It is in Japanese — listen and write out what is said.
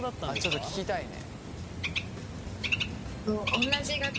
ちょっと聞きたいね。